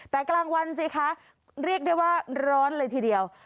แต่กลางวันสิคะเรียกได้ว่าร้อนเลยทีเดียว